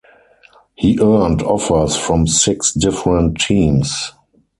He earned offers from six different teams.